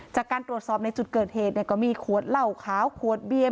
จากการตรวจสอบในจุดเกิดเหตุก็มีขวดเหล้าขาวขวดเบียน